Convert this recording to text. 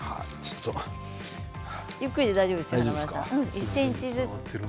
ゆっくりで大丈夫ですよ。